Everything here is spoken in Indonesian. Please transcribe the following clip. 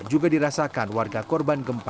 juga dirasakan warga korban gempa